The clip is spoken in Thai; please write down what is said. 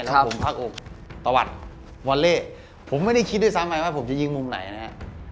แล้วผมพักอกตะวัดวอลเล่ผมไม่ได้คิดด้วยซ้ำไปว่าผมจะยิงมุมไหนนะฮะ